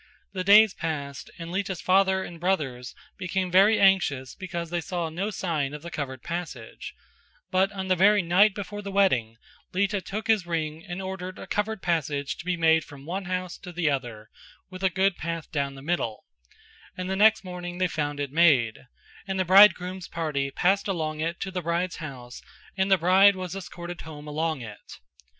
The days passed by and Lita's father and brothers became very anxious because they saw no sign of the covered passage; but on the very night before the wedding, Lita took his ring and ordered a covered passage to be made from the one house to the other with a good path down the middle; and the next morning they found it made; and the bridegroom's party passed along it to the bride's house and the bride was escorted home along it.